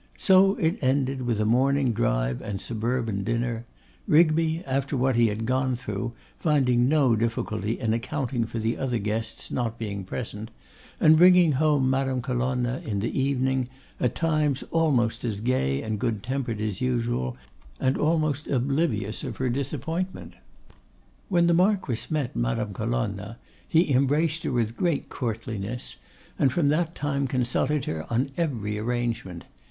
So it ended, with a morning drive and suburban dinner; Rigby, after what he had gone through, finding no difficulty in accounting for the other guests not being present, and bringing home Madame Colonna in the evening, at times almost as gay and good tempered as usual, and almost oblivious of her disappointment. When the Marquess met Madame Colonna he embraced her with great courtliness, and from that time consulted her on every arrangement.